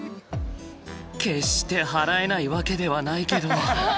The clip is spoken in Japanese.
決して払えないわけではないけど。